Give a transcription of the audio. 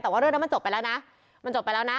แต่ว่าเรื่องนั้นมันจบไปแล้วนะมันจบไปแล้วนะ